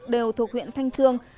đều thuộc huyện thanh trường